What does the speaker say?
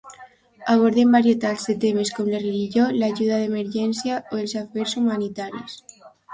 Aborden varietats de temes com la religió, l'ajuda d'emergència o els afers humanitaris.